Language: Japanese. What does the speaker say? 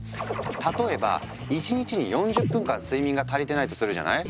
例えば１日に４０分間睡眠が足りてないとするじゃない？